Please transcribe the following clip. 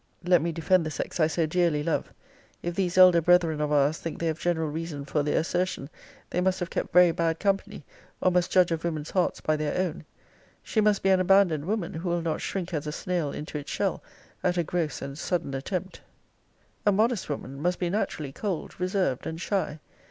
Let me defend the sex I so dearly love. If these elder brethren of ours think they have general reason for their assertion, they must have kept very bad company, or must judge of women's hearts by their own. She must be an abandoned woman, who will not shrink as a snail into its shell at a gross and sudden attempt. A modest woman must be naturally cold, reserved, and shy.